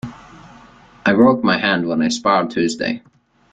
I broke my hand when I sparred Tuesday.